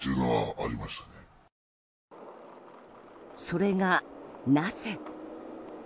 それが、なぜ。